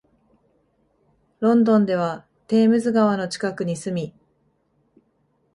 ロンドンではテームズ川の近くに住み、